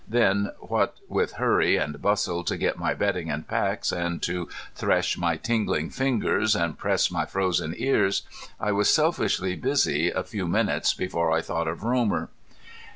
Then what with hurry and bustle to get my bedding and packs, and to thresh my tingling fingers, and press my frozen ears, I was selfishly busy a few minutes before I thought of Romer.